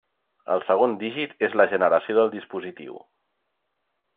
El segon dígit és la generació del dispositiu.